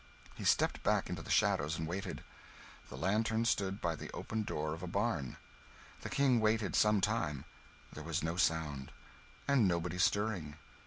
He stepped back into the shadows and waited. The lantern stood by the open door of a barn. The King waited some time there was no sound, and nobody stirring.